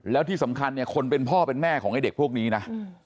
แล้วที่สำคัญเนี่ยคนเป็นพ่อเป็นแม่ของไอ้เด็กพวกนี้นะ